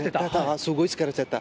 すごい疲れちゃった。